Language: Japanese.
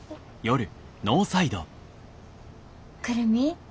久留美。